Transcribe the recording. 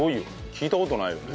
聞いた事ないよね。